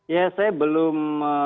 ya saya belum